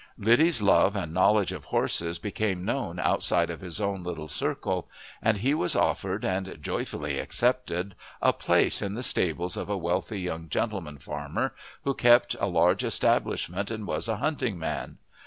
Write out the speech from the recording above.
Liddy's love and knowledge of horses became known outside of his own little circle, and he was offered and joyfully accepted a place in the stables of a wealthy young gentleman farmer, who kept a large establishment and was a hunting man.